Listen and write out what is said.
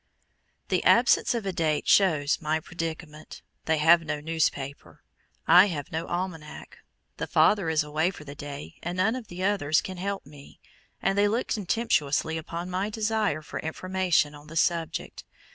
The absence of a date shows my predicament. THEY have no newspaper; I have no almanack; the father is away for the day, and none of the others can help me, and they look contemptuously upon my desire for information on the subject.